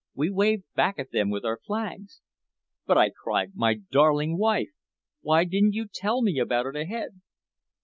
We waved back at them with our flags." "But," I cried, "my darling wife! Why didn't you tell me about it ahead?"